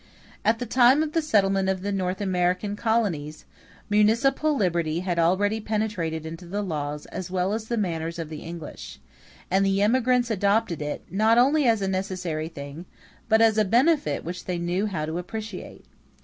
At the time of the settlement of the North American colonies, municipal liberty had already penetrated into the laws as well as the manners of the English; and the emigrants adopted it, not only as a necessary thing, but as a benefit which they knew how to appreciate.